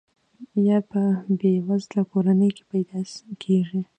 یا په بې وزله کورنۍ کې پیدا کیږي.